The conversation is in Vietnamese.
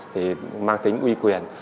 thì mang tính uy quyền